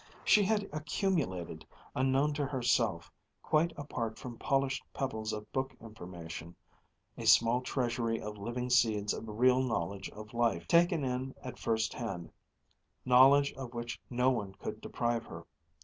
She had accumulated, unknown to herself, quite apart from polished pebbles of book information, a small treasury of living seeds of real knowledge of life, taken in at first hand, knowledge of which no one could deprive her.